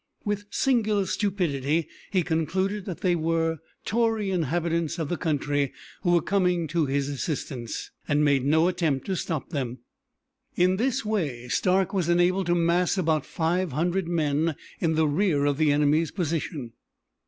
With singular stupidity he concluded that they were Tory inhabitants of the country who were coming to his assistance, and made no attempt to stop them. In this way Stark was enabled to mass about five hundred men in the rear of the enemy's position.